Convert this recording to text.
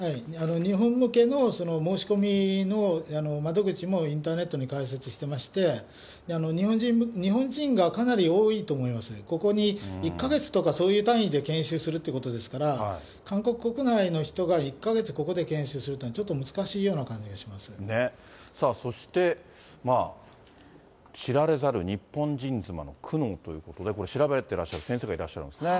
日本向けの申し込みの窓口もインターネットに開設してまして、日本人がかなり多いと思いますね、ここに１か月とか、そういう単位で研修するということですから、韓国国内の人が１か月ここで研修するというのは、ちょっと難しいさあそして、知られざる日本人妻の苦悩ということで、これ、調べてらっしゃる先生がいるんですね。